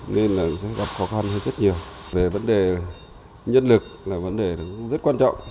nên là sẽ gặp khó khăn hơn rất nhiều về vấn đề nhân lực là vấn đề rất quan trọng